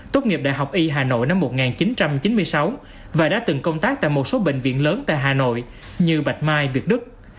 tốt nghiệp đại học y hà nội năm một nghìn chín trăm chín mươi sáu và đã từng công tác tại một số bệnh viện lớn tại hà nội như bạch mai việt đức